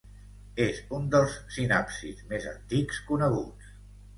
És un dels sinàpsids més antics coneguts.